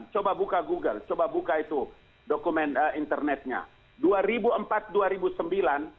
coba buka google coba buka itu dokumen internetnya